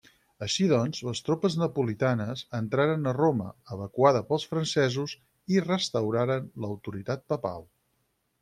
Així doncs, les tropes napolitanes entraren a Roma, evacuada pels francesos i restauraren l'autoritat papal.